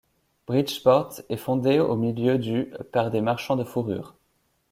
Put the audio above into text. Bridgeport est fondée au milieu du par des marchands de fourrures.